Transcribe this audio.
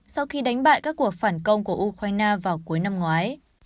sau khi đánh bại các cuộc phản công của ukraine vào cuối năm ngoái